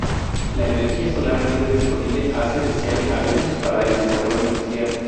La energía solar libre disponible hace deseable a Venus para el desarrollo industrial.